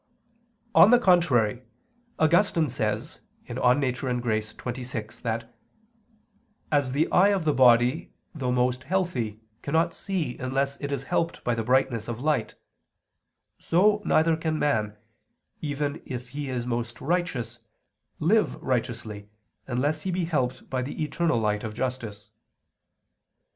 On the contrary, Augustine says (De Natura et Gratia xxvi) that "as the eye of the body though most healthy cannot see unless it is helped by the brightness of light, so, neither can a man, even if he is most righteous, live righteously unless he be helped by the eternal light of justice."